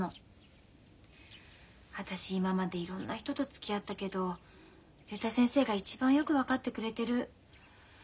私今までいろんな人とつきあったけど竜太先生が一番よく分かってくれてる。